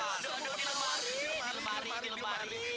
aduh di lemari